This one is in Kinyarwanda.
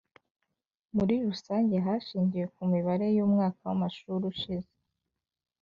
Muri rusange hashingiwe ku mibare y umwaka w amashuri ushize